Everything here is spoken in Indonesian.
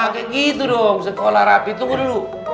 kayak gitu dong sekolah rapi tunggu dulu